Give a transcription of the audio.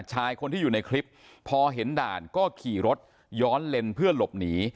ชายคนที่อยู่ในคลิปพอเห็นด่านก็ขี่รถย้อนเลนเพื่อหลบหนี